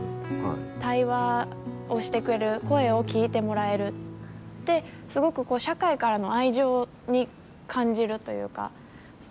対話をしてくれる声を聞いてもらえるってすごくこう、社会からの愛情に感じるというというか。